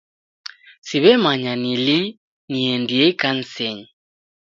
Siw'emanya ni lii niendie ikanisenyi.